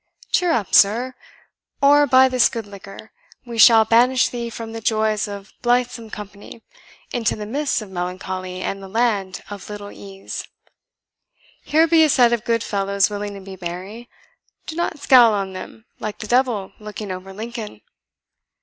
Cheer up, sir! or, by this good liquor, we shall banish thee from the joys of blithesome company, into the mists of melancholy and the land of little ease. Here be a set of good fellows willing to be merry; do not scowl on them like the devil looking over Lincoln."